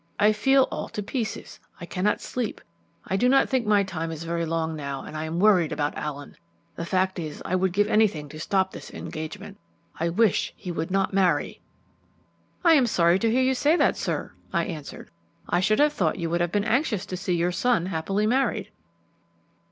I feel all to pieces. I cannot sleep. I do not think my time is very long now, and I am worried about Allen. The fact is, I would give anything to stop this engagement. I wish he would not marry." "I am sorry to hear you say that, sir," I answered. "I should have thought you would have been anxious to see your son happily married."